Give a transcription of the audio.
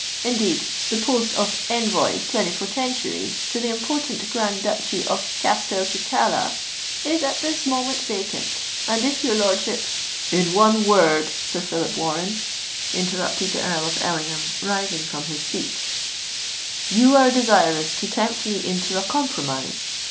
Indeed, the post of Envoy Plenipotentiary to the important Grand Duchy of Castelcicala is at this moment vacant; and if your lordship——" "In one word, Sir Phillip Warren," interrupted the Earl of Ellingham, rising from his seat, "you are desirous to tempt me into a compromise.